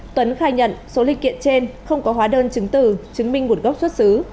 tuấn khai nhận số linh kiện trên không có hóa đơn chứng từ chứng minh nguồn gốc xuất xứ